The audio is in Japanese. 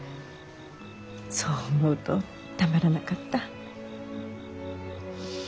そう思うとたまらなかった。